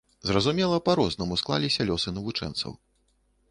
Зразумела, па-рознаму склаліся лёсы навучэнцаў.